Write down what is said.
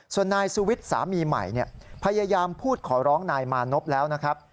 ส่วนนายสุวิทย์สามีใหม่พยายามพูดขอร้องนายมานพแล้วนะครับ